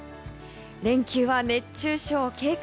連休な熱中症警戒。